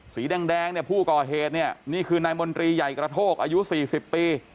สีแดงผู้ก่อเหตุนี่คือนายมนตรีใหญ่กระโทกอายุ๔๐ปี